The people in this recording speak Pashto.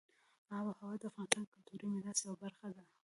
آب وهوا د افغانستان د کلتوري میراث یوه برخه ده.